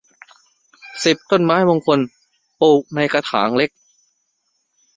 สิบ ต้นไม้มงคล ปลูกในกระถางเล็ก